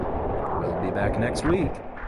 We'll be back next week.